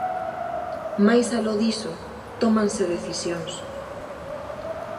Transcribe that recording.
Máis aló diso, tómanse decisións.